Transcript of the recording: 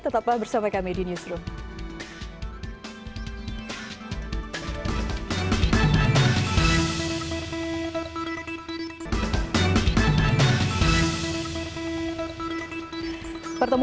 tetaplah bersama kami di newsroom